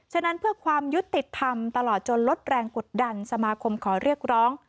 ฉะนั้นเพื่อความยุติธรรมตลอดจนลดแรงกดดันสมาคมขอเรียกร้อง